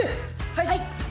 はい。